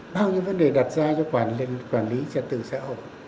bao nhiêu vấn đề đặt ra cho quản lý trật tự xã hội